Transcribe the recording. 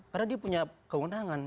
karena dia punya kewenangan